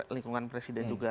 lingkungan presiden juga